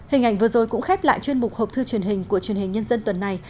hình ảnh vừa rồi cũng khép lại chuyên mục hộp thư truyền hình của truyền hình nhân dân tuần này